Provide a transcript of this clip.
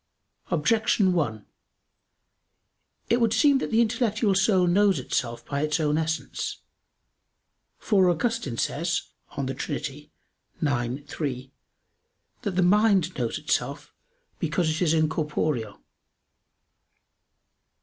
Objection 1: It would seem that the intellectual soul knows itself by its own essence. For Augustine says (De Trin. ix, 3), that "the mind knows itself, because it is incorporeal."